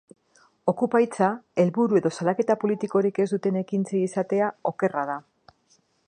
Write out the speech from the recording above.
Okupa hitza helburu edo salaketa politikorik ez duten ekintzei esatea okerra da.